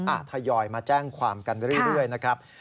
ทยอยมาแจ้งความกันเรื่อยนะครับ